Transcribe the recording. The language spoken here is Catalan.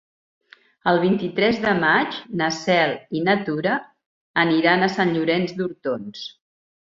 El vint-i-tres de maig na Cel i na Tura aniran a Sant Llorenç d'Hortons.